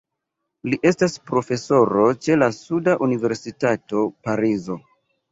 Li estas profesoro ĉe la suda universitato Parizo.